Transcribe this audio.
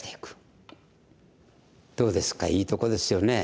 どうですかいいとこですよね。